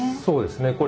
そうですね。